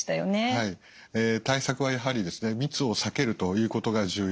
はい対策はやはりですね密を避けるということが重要。